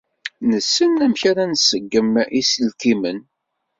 Nessen amek ara nṣeggem iselkimen.